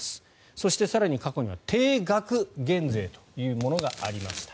そして更に、過去には定額減税というものがありました。